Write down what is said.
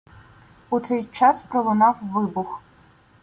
У цей час пролунав вибух.